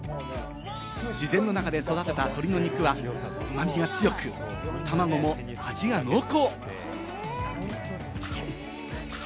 自然の中で育てた鶏の肉は旨味が強く、卵も味が濃厚。